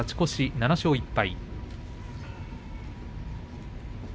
７勝１敗。